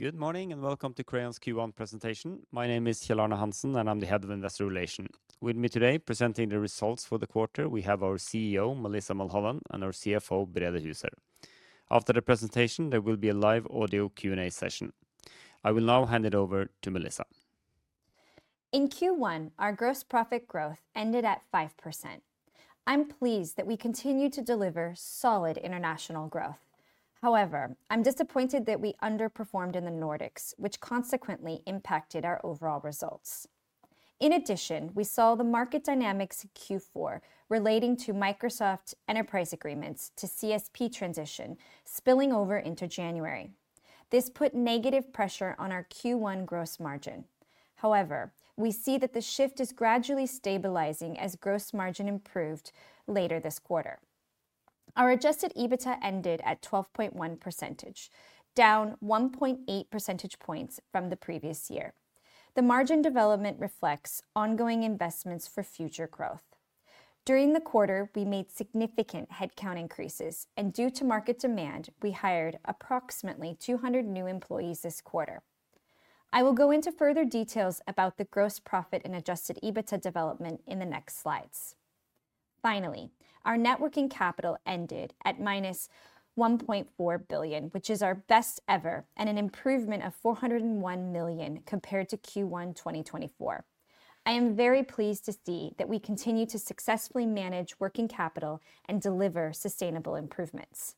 Good morning and welcome to Crayon's Q1 presentation. My name is Kjell Arne Hansen, and I'm the Head of Investor Relations. With me today, presenting the results for the quarter, we have our CEO, Melissa Mulholland, and our CFO, Brede Huser. After the presentation, there will be a live audio Q&A session. I will now hand it over to Melissa. In Q1, our gross profit growth ended at 5%. I'm pleased that we continued to deliver solid international growth. However, I'm disappointed that we underperformed in the Nordics, which consequently impacted our overall results. In addition, we saw the market dynamics in Q4 relating to Microsoft Enterprise Agreements to CSP transition spilling over into January. This put negative pressure on our Q1 gross margin. However, we see that the shift is gradually stabilizing as gross margin improved later this quarter. Our Adjusted EBITDA ended at 12.1%, down 1.8 percentage points from the previous year. The margin development reflects ongoing investments for future growth. During the quarter, we made significant headcount increases, and due to market demand, we hired approximately 200 new employees this quarter. I will go into further details about the gross profit and Adjusted EBITDA development in the next slides. Finally, our net working capital ended at -1.4 billion, which is our best ever and an improvement of 401 million compared to Q1 2024. I am very pleased to see that we continue to successfully manage working capital and deliver sustainable improvements.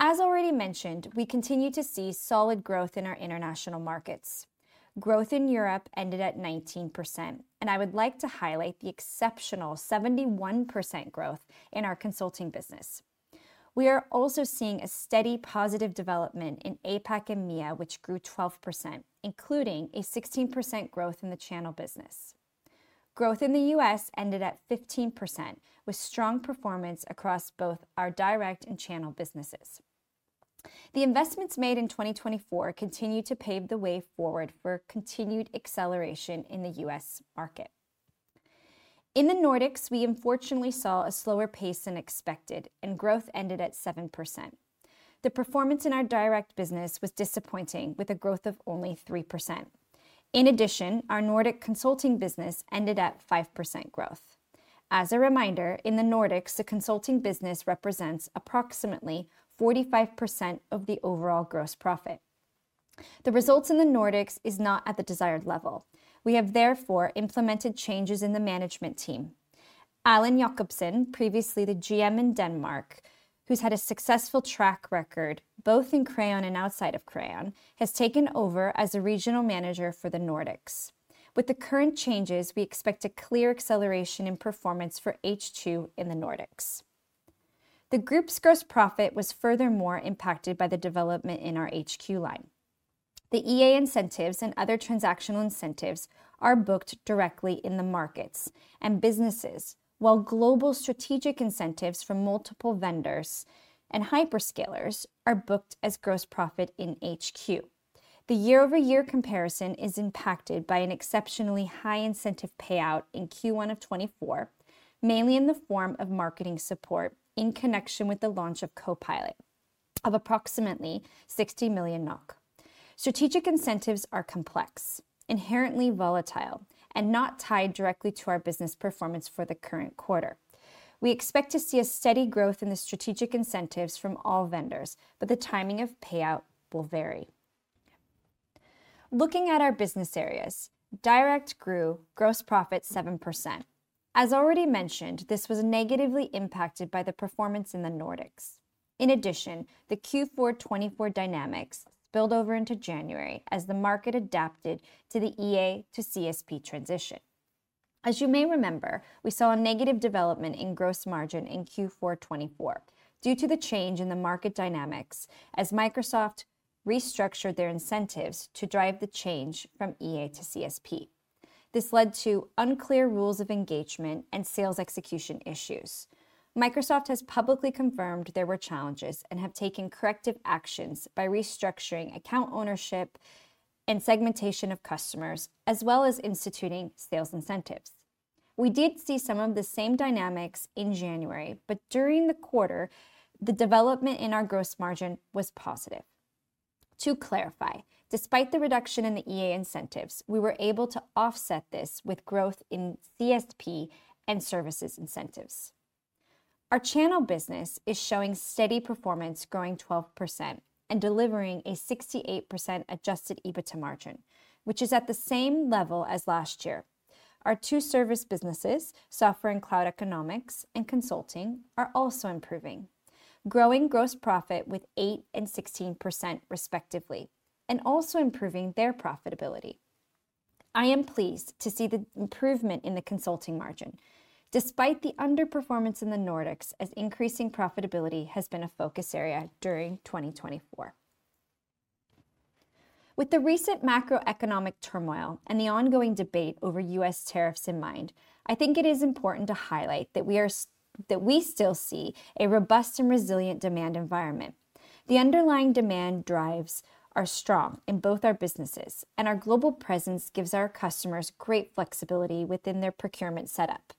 As already mentioned, we continue to see solid growth in our international markets. Growth in Europe ended at 19%, and I would like to highlight the exceptional 71% growth in our consulting business. We are also seeing a steady positive development in APAC and MEA, which grew 12%, including a 16% growth in the channel business. Growth in the U.S. ended at 15%, with strong performance across both our direct and channel businesses. The investments made in 2024 continue to pave the way forward for continued acceleration in the U.S. market. In the Nordics, we unfortunately saw a slower pace than expected, and growth ended at 7%. The performance in our direct business was disappointing, with a growth of only 3%. In addition, our Nordic consulting business ended at 5% growth. As a reminder, in the Nordics, the consulting business represents approximately 45% of the overall gross profit. The results in the Nordics are not at the desired level. We have therefore implemented changes in the management team. Allan Jacobsen, previously the GM in Denmark, who's had a successful track record both in Crayon and outside of Crayon, has taken over as a regional manager for the Nordics. With the current changes, we expect a clear acceleration in performance for H2 in the Nordics. The group's gross profit was furthermore impacted by the development in our HQ line. The EA incentives and other transactional incentives are booked directly in the markets and businesses, while global strategic incentives from multiple vendors and hyperscalers are booked as gross profit in HQ. The year-over-year comparison is impacted by an exceptionally high incentive payout in Q1 of 2024, mainly in the form of marketing support in connection with the launch of Copilot of approximately 60 million NOK. Strategic incentives are complex, inherently volatile, and not tied directly to our business performance for the current quarter. We expect to see a steady growth in the strategic incentives from all vendors, but the timing of payout will vary. Looking at our business areas, direct grew gross profit 7%. As already mentioned, this was negatively impacted by the performance in the Nordics. In addition, the Q4 2024 dynamics spilled over into January as the market adapted to the EA to CSP transition. As you may remember, we saw a negative development in gross margin in Q4 2024 due to the change in the market dynamics as Microsoft restructured their incentives to drive the change from EA to CSP. This led to unclear rules of engagement and sales execution issues. Microsoft has publicly confirmed there were challenges and has taken corrective actions by restructuring account ownership and segmentation of customers, as well as instituting sales incentives. We did see some of the same dynamics in January, but during the quarter, the development in our gross margin was positive. To clarify, despite the reduction in the EA incentives, we were able to offset this with growth in CSP and services incentives. Our channel business is showing steady performance, growing 12% and delivering a 68% Adjusted EBITDA margin, which is at the same level as last year. Our two service businesses, software and cloud economics and consulting, are also improving, growing gross profit with 8% and 16% respectively, and also improving their profitability. I am pleased to see the improvement in the consulting margin, despite the underperformance in the Nordics, as increasing profitability has been a focus area during 2024. With the recent macroeconomic turmoil and the ongoing debate over U.S. tariffs in mind, I think it is important to highlight that we still see a robust and resilient demand environment. The underlying demand drivers are strong in both our businesses, and our global presence gives our customers great flexibility within their procurement setup.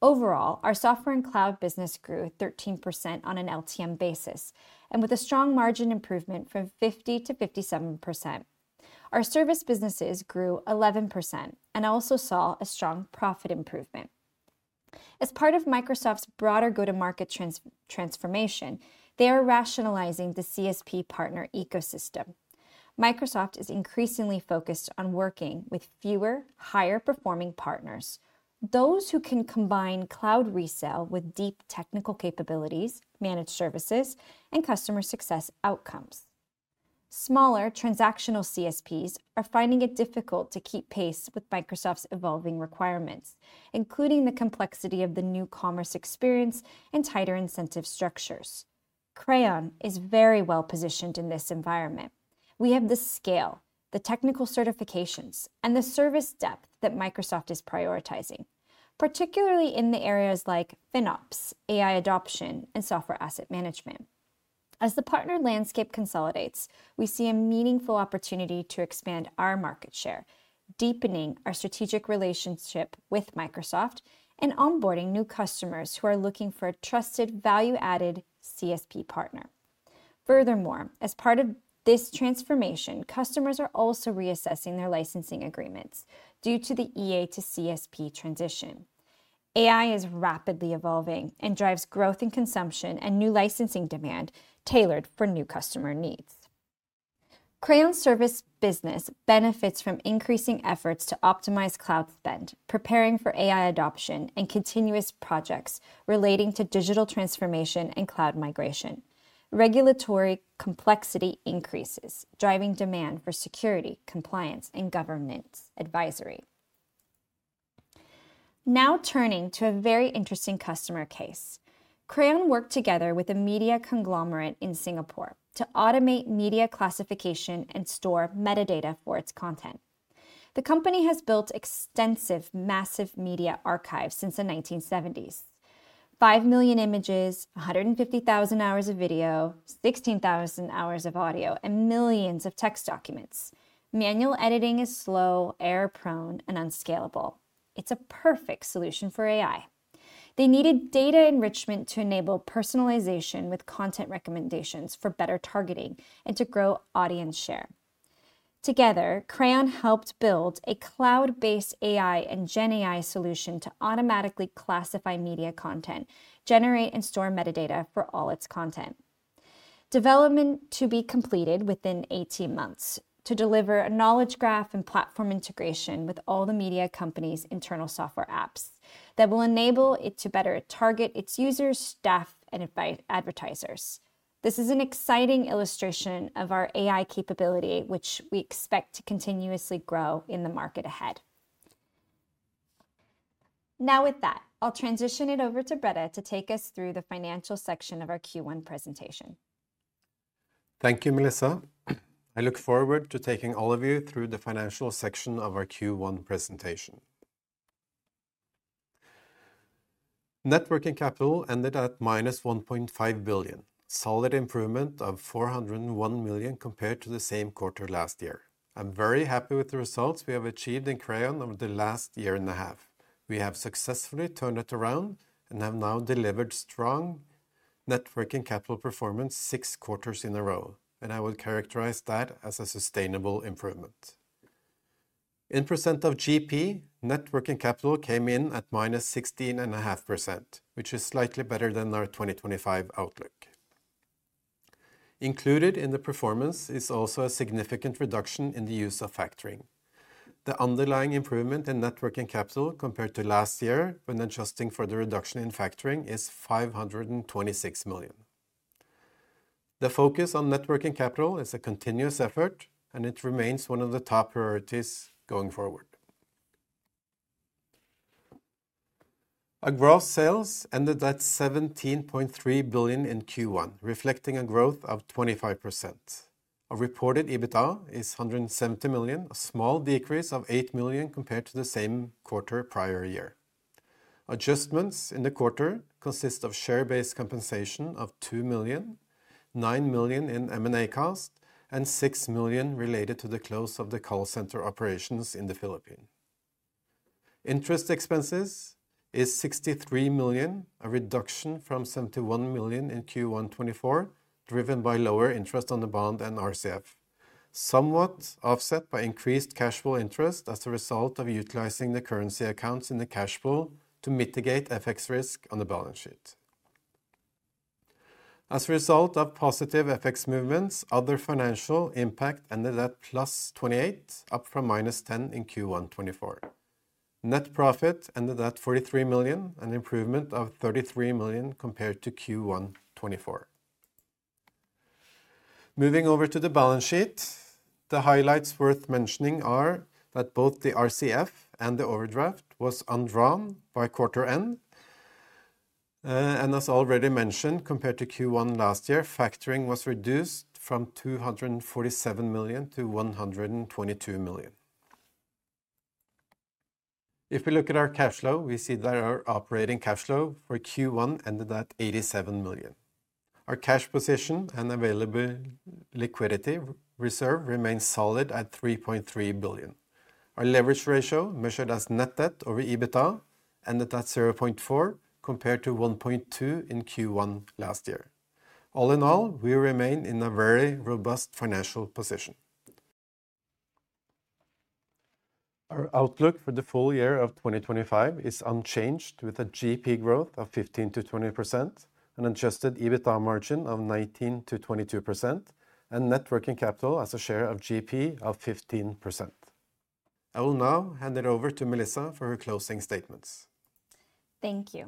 Overall, our software and cloud business grew 13% on an LTM basis and with a strong margin improvement from 50%-57%. Our service businesses grew 11% and also saw a strong profit improvement. As part of Microsoft's broader go-to-market transformation, they are rationalizing the CSP partner ecosystem. Microsoft is increasingly focused on working with fewer, higher-performing partners, those who can combine cloud resale with deep technical capabilities, managed services, and customer success outcomes. Smaller transactional CSPs are finding it difficult to keep pace with Microsoft's evolving requirements, including the complexity of the new commerce experience and tighter incentive structures. Crayon is very well positioned in this environment. We have the scale, the technical certifications, and the service depth that Microsoft is prioritizing, particularly in the areas like FinOps, AI adoption, and software asset management. As the partner landscape consolidates, we see a meaningful opportunity to expand our market share, deepening our strategic relationship with Microsoft and onboarding new customers who are looking for a trusted, value-added CSP partner. Furthermore, as part of this transformation, customers are also reassessing their licensing agreements due to the EA to CSP transition. AI is rapidly evolving and drives growth in consumption and new licensing demand tailored for new customer needs. Crayon's service business benefits from increasing efforts to optimize cloud spend, preparing for AI adoption and continuous projects relating to digital transformation and cloud migration. Regulatory complexity increases, driving demand for security, compliance, and governance advisory. Now turning to a very interesting customer case. Crayon worked together with a media conglomerate in Singapore to automate media classification and store metadata for its content. The company has built extensive, massive media archives since the 1970s: 5 million images, 150,000 hours of video, 16,000 hours of audio, and millions of text documents. Manual editing is slow, error-prone, and unscalable. It's a perfect solution for AI. They needed data enrichment to enable personalization with content recommendations for better targeting and to grow audience share. Together, Crayon helped build a cloud-based AI and GenAI solution to automatically classify media content, generate, and store metadata for all its content. Development to be completed within 18 months to deliver a knowledge graph and platform integration with all the media companies' internal software apps that will enable it to better target its users, staff, and advertisers. This is an exciting illustration of our AI capability, which we expect to continuously grow in the market ahead. Now, with that, I'll transition it over to Brede to take us through the financial section of our Q1 presentation. Thank you, Melissa. I look forward to taking all of you through the financial section of our Q1 presentation. Net working capital ended at -1.5 billion, a solid improvement of 401 million compared to the same quarter last year. I'm very happy with the results we have achieved in Crayon over the last year and a half. We have successfully turned it around and have now delivered strong net working capital performance six quarters in a row, and I would characterize that as a sustainable improvement. In percent of GP, net working capital came in at -16.5%, which is slightly better than our 2025 outlook. Included in the performance is also a significant reduction in the use of factoring. The underlying improvement in net working capital compared to last year, when adjusting for the reduction in factoring, is 526 million. The focus on net working capital is a continuous effort, and it remains one of the top priorities going forward. Our gross sales ended at 17.3 billion in Q1, reflecting a growth of 25%. Our reported EBITDA is 170 million, a small decrease of 8 million compared to the same quarter prior year. Adjustments in the quarter consist of share-based compensation of 2 million, 9 million in M&A cost, and 6 million related to the close of the call center operations in the Philippines. Interest expenses is 63 million, a reduction from 71 million in Q1 2024, driven by lower interest on the bond and RCF, somewhat offset by increased cash flow interest as a result of utilizing the currency accounts in the cash pool to mitigate FX risk on the balance sheet. As a result of positive FX movements, other financial impact ended at +28 million, up from -10 million in Q1 2024. Net profit ended at 43 million, an improvement of 33 million compared to Q1 2024. Moving over to the balance sheet, the highlights worth mentioning are that both the RCF and the overdraft were undrawn by quarter end. As already mentioned, compared to Q1 last year, factoring was reduced from 247 million-122 million. If we look at our cash flow, we see that our operating cash flow for Q1 ended at 87 million. Our cash position and available liquidity reserve remained solid at 3.3 billion. Our leverage ratio, measured as net debt over EBITDA, ended at 0.4 compared to 1.2 in Q1 last year. All in all, we remain in a very robust financial position. Our outlook for the full year of 2025 is unchanged, with a GP growth of 15%-20%, an Adjusted EBITDA margin of 19%-22%, and net working capital as a share of GP of 15%. I will now hand it over to Melissa for her closing statements. Thank you.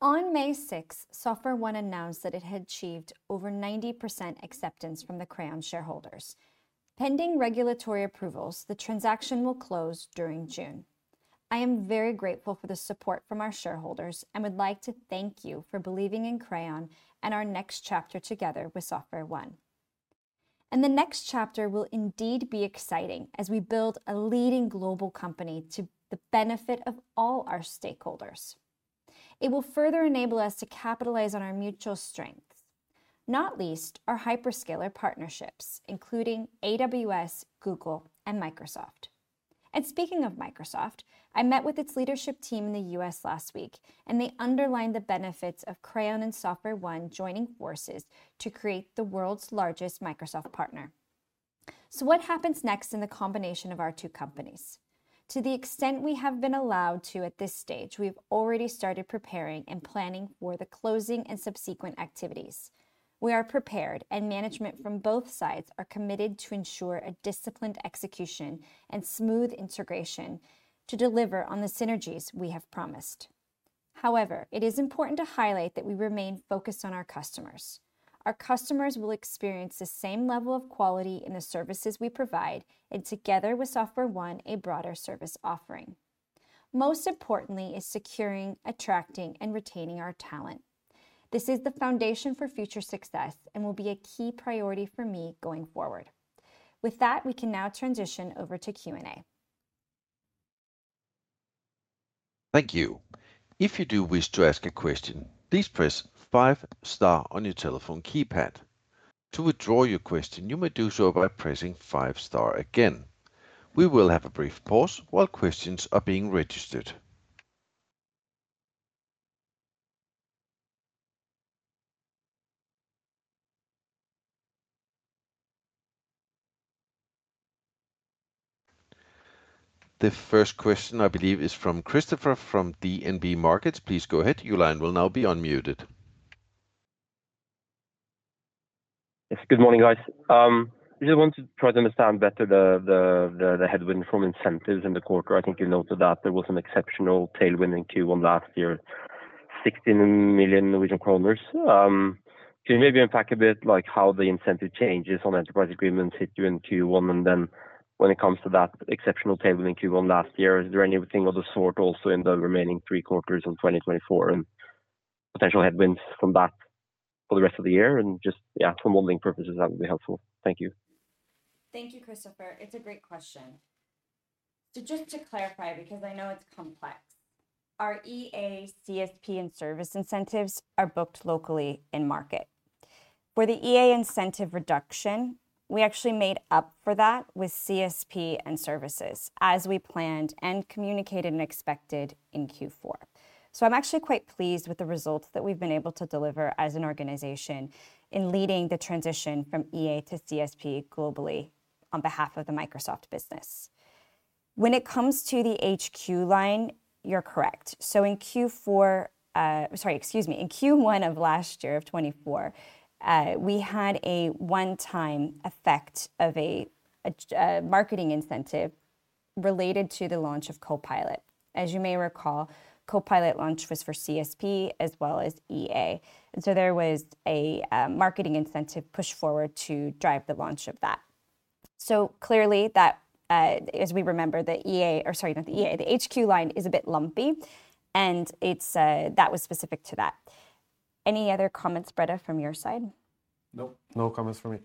On May 6th, SoftwareOne announced that it had achieved over 90% acceptance from the Crayon shareholders. Pending regulatory approvals, the transaction will close during June. I am very grateful for the support from our shareholders and would like to thank you for believing in Crayon and our next chapter together with SoftwareOne. The next chapter will indeed be exciting as we build a leading global company to the benefit of all our stakeholders. It will further enable us to capitalize on our mutual strengths, not least our hyperscaler partnerships, including AWS, Google, and Microsoft. Speaking of Microsoft, I met with its leadership team in the U.S. last week, and they underlined the benefits of Crayon and SoftwareOne joining forces to create the world's largest Microsoft partner. What happens next in the combination of our two companies? To the extent we have been allowed to at this stage, we've already started preparing and planning for the closing and subsequent activities. We are prepared, and management from both sides are committed to ensure a disciplined execution and smooth integration to deliver on the synergies we have promised. However, it is important to highlight that we remain focused on our customers. Our customers will experience the same level of quality in the services we provide and, together with SoftwareOne, a broader service offering. Most importantly, is securing, attracting, and retaining our talent. This is the foundation for future success and will be a key priority for me going forward. With that, we can now transition over to Q&A. Thank you. If you do wish to ask a question, please press five, star on your telephone keypad. To withdraw your question, you may do so by pressing five, star again. We will have a brief pause while questions are being registered. The first question, I believe, is from Christopher from DNB Markets. Please go ahead. Your line will now be unmuted. Yes, good morning, guys. I just want to try to understand better the headwind from incentives in the quarter. I think you noted that there was an exceptional tailwind in Q1 last year, 16 million Norwegian kroner. Can you maybe unpack a bit how the incentive changes on enterprise agreements hit you in Q1? And when it comes to that exceptional tailwind in Q1 last year, is there anything of the sort also in the remaining three quarters of 2024 and potential headwinds from that for the rest of the year? Just for modeling purposes, that would be helpful. Thank you. Thank you, Christopher. It's a great question. Just to clarify, because I know it's complex, our EA, CSP, and service incentives are booked locally in market. For the EA incentive reduction, we actually made up for that with CSP and services as we planned and communicated and expected in Q4. I'm actually quite pleased with the results that we've been able to deliver as an organization in leading the transition from EA to CSP globally on behalf of the Microsoft business. When it comes to the HQ line, you're correct. In Q1 of last year of 2024, we had a one-time effect of a marketing incentive related to the launch of Copilot. As you may recall, Copilot launch was for CSP as well as EA. There was a marketing incentive pushed forward to drive the launch of that. Clearly, as we remember, the EA, or sorry, not the EA, the HQ line is a bit lumpy, and that was specific to that. Any other comments, Brede, from your side? Nope, no comments from me.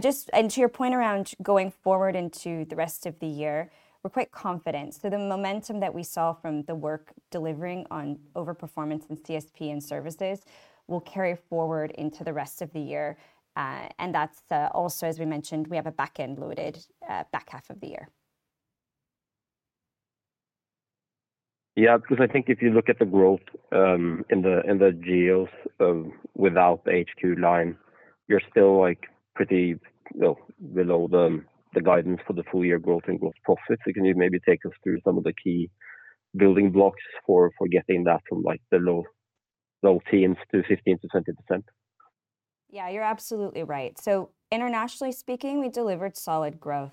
To your point around going forward into the rest of the year, we're quite confident. The momentum that we saw from the work delivering on overperformance in CSP and services will carry forward into the rest of the year. That is also, as we mentioned, we have a back-end loaded back half of the year. Yeah, because I think if you look at the growth in the geos without the HQ line, you're still pretty well below the guidance for the full-year growth and growth profits. Can you maybe take us through some of the key building blocks for getting that from the low teens to 15%-20%? Yeah, you're absolutely right. Internationally speaking, we delivered solid growth.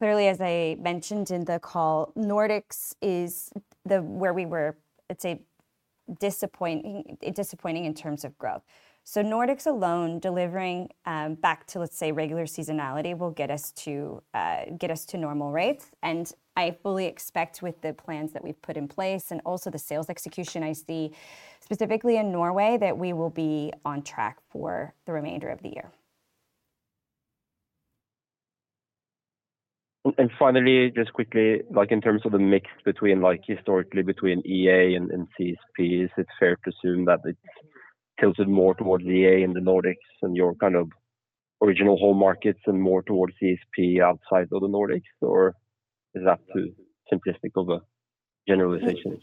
Clearly, as I mentioned in the call, Nordics is where we were, I'd say, disappointing in terms of growth. Nordics alone delivering back to, let's say, regular seasonality will get us to normal rates. I fully expect with the plans that we've put in place and also the sales execution I see specifically in Norway that we will be on track for the remainder of the year. Finally, just quickly, in terms of the mix historically between EA and CSP, is it fair to assume that it's tilted more towards EA in the Nordics and your kind of original home markets and more towards CSP outside of the Nordics, or is that too simplistic of a generalization?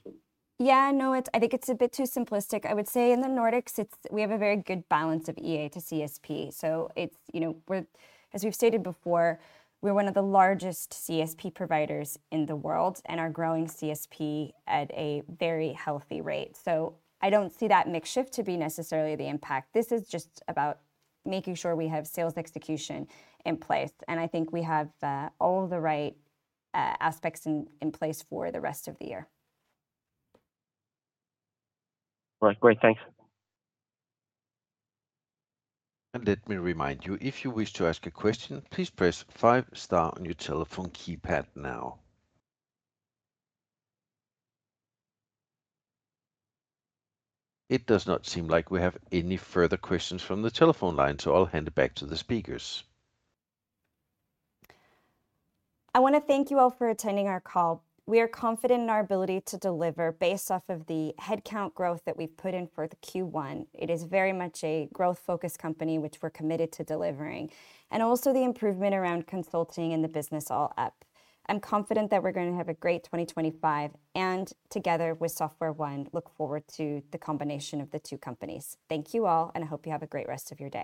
Yeah, no, I think it's a bit too simplistic. I would say in the Nordics, we have a very good balance of EA to CSP. As we've stated before, we're one of the largest CSP providers in the world and are growing CSP at a very healthy rate. I don't see that mix shift to be necessarily the impact. This is just about making sure we have sales execution in place. I think we have all the right aspects in place for the rest of the year. All right, great, thanks. Let me remind you, if you wish to ask a question, please press five, star on your telephone keypad now. It does not seem like we have any further questions from the telephone line, so I'll hand it back to the speakers. I want to thank you all for attending our call. We are confident in our ability to deliver based off of the headcount growth that we've put in for Q1. It is very much a growth-focused company, which we're committed to delivering, and also the improvement around consulting and the business all up. I'm confident that we're going to have a great 2025, and together with SoftwareOne, look forward to the combination of the two companies. Thank you all, and I hope you have a great rest of your day.